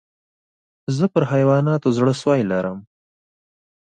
زه پر حیواناتو زړه سوى لرم.